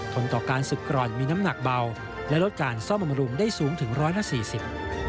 ทนต่อการศึกกร่อนมีน้ำหนักเบาและลดการซ่อมบำรุงได้สูงถึงร้อยละสี่สิบ